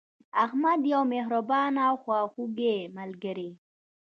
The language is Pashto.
احمد یو مهربانه او خواخوږی ملګری